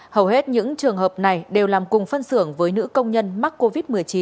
hầu hết những trường hợp này đều làm cùng phân xưởng với nữ công nhân mắc covid một mươi chín